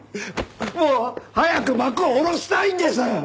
もう早く幕を下ろしたいんです！